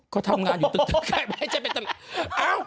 ก็ทำงานอยู่ตึกไม่ใช่ไปตลาด